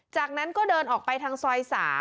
จากนั้นก็เดินออกไปทางซอย๓